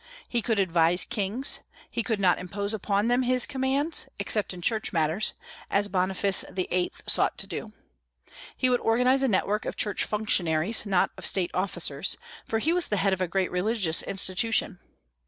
He could advise kings: he could not impose upon them his commands (except in Church matters), as Boniface VIII. sought to do. He would organize a network of Church functionaries, not of State officers; for he was the head of a great religious institution.